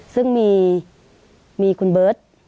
ซึ่งมีคุณเบิร์ต